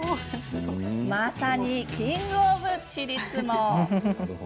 まさにキング・オブちりつも。